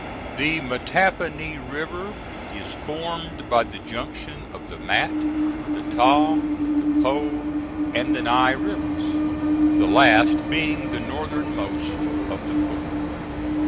The Mattapony River is formed by the junction of the Mat, the Ta, the Po and the Ny rivers, the last being the northernmost of the four.